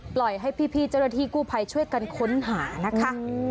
ปล่อยให้พี่เจ้าหน้าที่กู้ภัยช่วยกันค้นหานะคะ